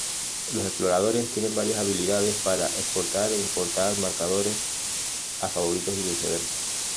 Los exploradores tienen varias habilidades para exportar e importar marcadores a favoritos y viceversa.